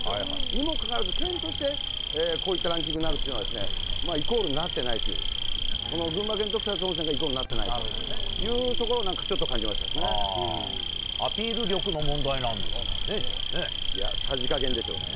にもかかわらず、県としてこういったランキングになるというのは、イコールになってないという、この群馬県と草津温泉がイコールになっていないというところをなアピール力の問題なんですかいや、さじ加減でしょうね。